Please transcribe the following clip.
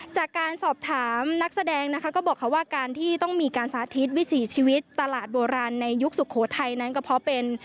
จากการสอบถามนักแสดงนะคะก็บอกเขาว่าการที่ต้องมีการสาธิตวิถีชีวิตตลาดโบราณในยุคสุโขทัยนั้นก็เพราะเป็น